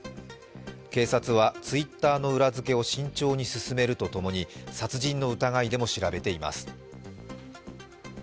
警察はＴｗｉｔｔｅｒの裏付けを慎重に進めるとともに、殺人の疑いでも調べています。